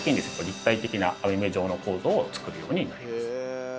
立体的な網目状の構造を作るようになります。